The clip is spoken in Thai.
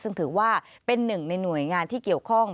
ซึ่งถือว่าเป็นหนึ่งในหน่วยงานที่เกี่ยวข้อง